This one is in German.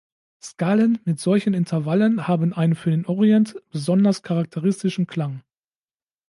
Skalen mit solchen Intervallen haben einen für den Orient besonders charakteristischen Klang.